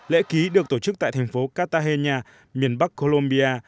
lễ ký được tổ chức tại thành phố katahenia miền bắc colombia